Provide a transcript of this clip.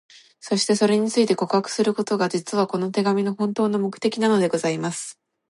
そして、それについて、告白することが、実は、この手紙の本当の目的なのでございます。